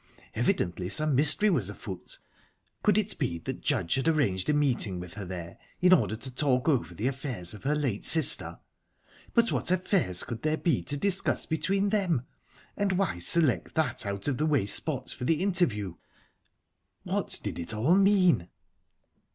Evidently some mystery was afoot...Could it be that Judge had arranged a meeting with her there in order to talk over the affairs of her late sister? But what affairs could there be to discuss between them? And why select that out of the way spot for the interview? What did it all mean?...